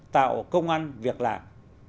tạo công an việc làm